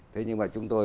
thế nhưng mà chúng tôi